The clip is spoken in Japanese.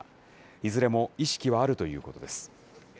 いずれも意識はあるということです。